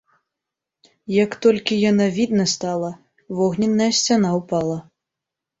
Як толькі яна відна стала, вогненная сцяна ўпала.